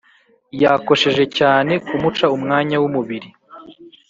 Yakosheje cyane kumuca umwanya w’umubiri